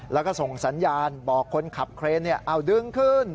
แล้วก็ส่งสัญญาณบอกคนขับเครน